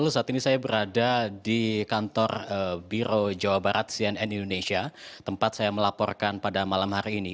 saat ini saya berada di kantor biro jawa barat cnn indonesia tempat saya melaporkan pada malam hari ini